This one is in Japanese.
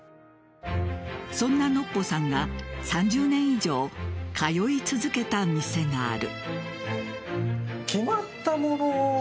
そんなノッポさんが３０年以上通い続けた店がある。